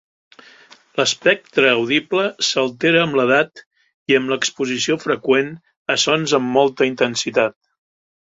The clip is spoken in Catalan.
L'espectre audible s'altera amb l'edat i amb l'exposició freqüent a sons amb molta intensitat.